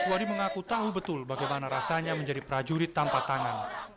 suwadi mengaku tahu betul bagaimana rasanya menjadi prajurit tanpa tangan